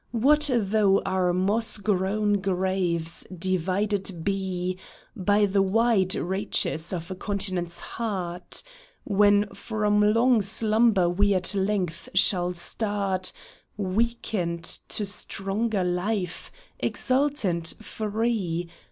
What though our moss grown graves divided be By the wide reaches of a continent's heart ? When from long slumber we at length shall start Wakened to stronger life, exultant, free.